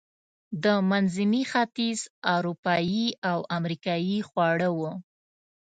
د منځني ختیځ، اروپایي او امریکایي خواړه و.